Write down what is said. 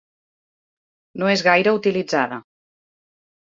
No és gaire utilitzada.